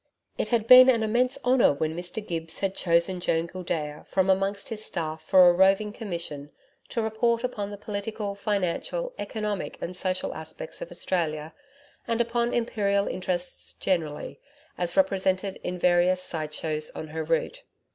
It had been an immense honour when Mr Gibbs had chosen Joan Gildea from amongst his staff for a roving commission to report upon the political, financial, economic and social aspects of Australia, and upon Imperial interests generally, as represented in various sideshows on her route.